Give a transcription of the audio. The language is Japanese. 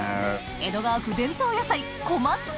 江戸川区伝統野菜小松菜